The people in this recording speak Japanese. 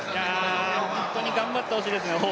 本当に頑張ってほしいですね。